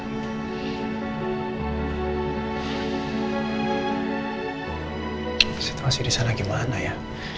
hai situasi di sana gimana ya